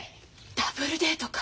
ダブルデートか。